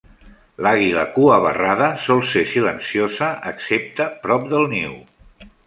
L'àguila cuabarrada sol ser silenciosa excepte prop del niu.